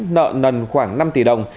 nợ nần khoảng năm tỷ đồng